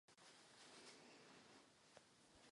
V oblasti jsou i podvodní jeskyně.